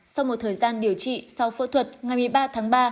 sau một thời gian điều trị sau phẫu thuật ngày một mươi ba tháng ba